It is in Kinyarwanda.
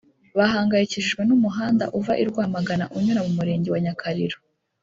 bahangayikishijwe n’umuhanda uva i Rwamagana unyura mu Murenge wa Nyakariro